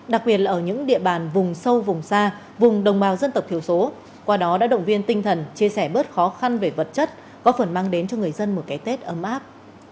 đặc biệt là ở những địa bàn vùng sâu vùng xa vùng đồng bào dân tộc thiểu số qua đó đã động viên tinh thần chia sẻ bớt khó khăn về vật chất góp phần mang đến cho người dân một cái tết ấm áp